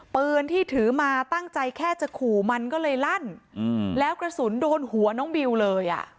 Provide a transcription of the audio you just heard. ปืนที่ถือมาตั้งใจแค่จะขู่มันก็เลยลั่นแล้วกระสุนโดนหัวน้องบิวเลยอ่ะ